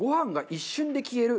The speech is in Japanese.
一瞬で消える？